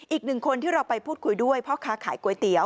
อีกหนึ่งคนที่เราไปพูดคุยด้วยพ่อค้าขายก๋วยเตี๋ย